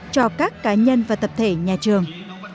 cho các cá nhân và tập thể nhà trường